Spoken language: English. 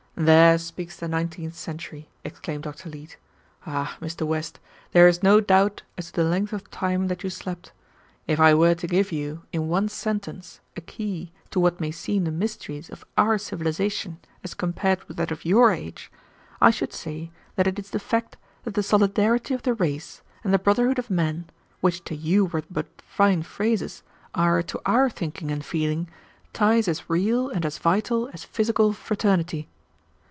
"There speaks the nineteenth century!" exclaimed Dr. Leete. "Ah, Mr. West, there is no doubt as to the length of time that you slept. If I were to give you, in one sentence, a key to what may seem the mysteries of our civilization as compared with that of your age, I should say that it is the fact that the solidarity of the race and the brotherhood of man, which to you were but fine phrases, are, to our thinking and feeling, ties as real and as vital as physical fraternity.